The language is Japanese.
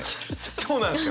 そうなんですよ！